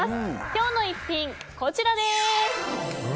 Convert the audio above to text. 今日の逸品、こちらです。